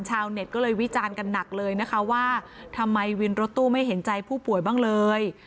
ชาวเน็ตก็เลยวิจารณ์กันหนักเลยนะคะว่าทำไมวินรถตู้ไม่เห็นใจผู้ป่วยบ้างเลย